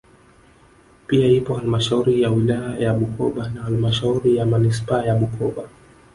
Pia ipo halmashauri ya wilaya ya Bukoba na halmashuri ya manispaa ya Bukoba